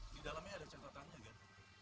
di dalamnya ada catatannya kan